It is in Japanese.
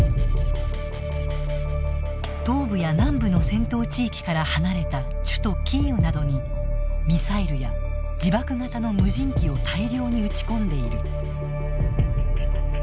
東部や南部の戦闘地域から離れた首都キーウなどにミサイルや自爆型の無人機を大量に撃ち込んでいる。